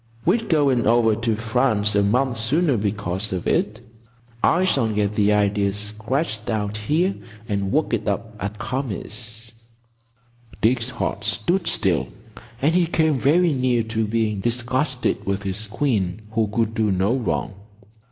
"We're going over to France a month sooner because of it. I shall get the idea sketched out here and work it up at Kami's. Dick's heart stood still, and he came very near to being disgusted with his queen who could do no wrong.